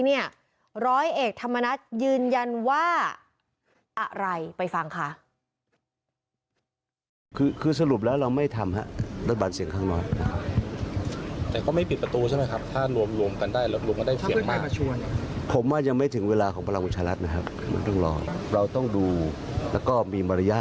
คือร้อยเอกธรรมนัฐยืนยันว่าอะไรไปฟังค่ะ